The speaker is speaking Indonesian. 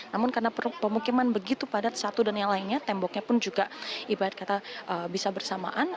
namun karena pemukiman begitu padat satu dan yang lainnya temboknya pun juga ibarat kata bisa bersamaan